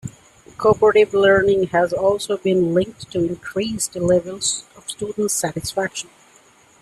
Cooperative learning has also been linked to increased levels of student satisfaction.